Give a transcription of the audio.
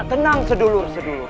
tenang sedulur sedulur